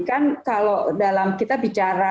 kan kalau dalam kita bicara